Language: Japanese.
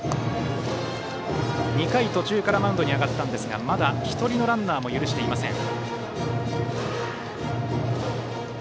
２回途中からマウンドに上がったんですがまだ１人のランナーも許していません。